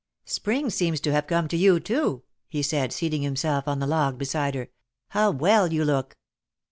"Spring seems to have come to you, too," he said, seating himself on the log beside her. "How well you look!"